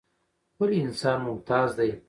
ولې انسان ممتاز دى؟